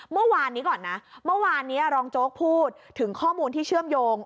เมื่อวานนี้ก่อนนะเมื่อวานนี้รองโจ๊กพูดถึงข้อมูลที่เชื่อมโยง